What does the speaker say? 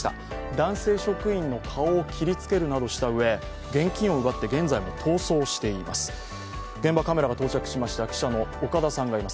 男性職員の顔を切りつけるなどしたうえ、現金を奪って現在も逃走しています。